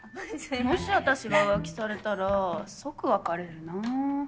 もしあたしが浮気されたら即別れるな。